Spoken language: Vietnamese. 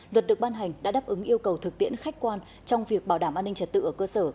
luật được ban hành đã đáp ứng yêu cầu thực tiễn khách quan trong việc bảo đảm an ninh trật tự ở cơ sở